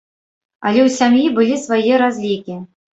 Але ў сям'і былі свае разлікі.